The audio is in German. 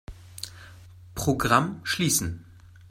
Programm schließen.